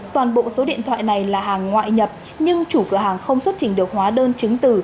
toàn bộ số điện thoại này là hàng ngoại nhập nhưng chủ cửa hàng không xuất trình được hóa đơn chứng từ